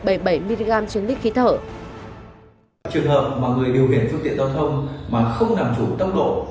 trường hợp mà người điều khiển phương tiện giao thông mà không làm chủ tốc độ